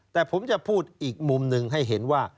แต่ผมจะพูดอีกมุมหนึ่งให้เห็นว่า